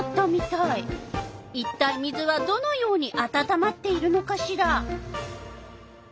いったい水はどのようにあたたまっているのかしら。